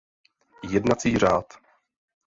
Jednací řád.